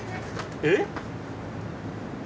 えっ？